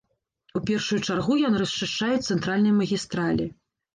У першую чаргу яны расчышчаюць цэнтральныя магістралі.